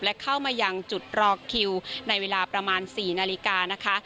และเข้ามายังจุดรอคิวในเวลาประมาณ๔นาฬิกานะคะ